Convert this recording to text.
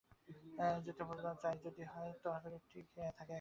তাই যদি হয়, তাহলে লোকটি থাকে একা।